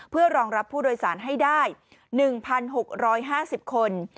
เพื่อรองรับผู้โดยสารให้ได้๑๖๕๐คน